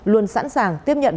luôn sẵn sàng tiếp nhận